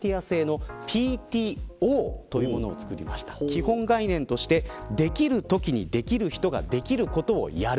基本概念として、できる人ができるときにできることをやる。